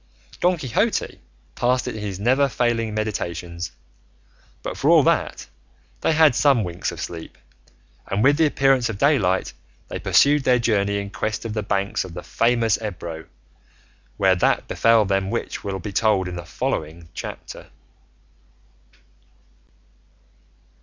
Don Quixote passed it in his never failing meditations; but, for all that, they had some winks of sleep, and with the appearance of daylight they pursued their journey in quest of the banks of the famous Ebro, where that befell them which will be told in the following chapter.